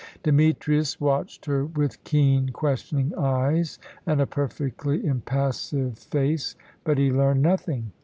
Demetrius watched her with keen, questioning eyes and a perfectly impassive face, but he learned nothing.